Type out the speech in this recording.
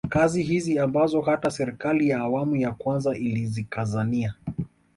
Kazi hizi ambazo hata serikali ya awamu ya kwanza ilizikazania